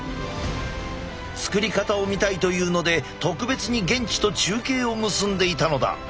作り方を見たいというので特別に現地と中継を結んでいたのだ。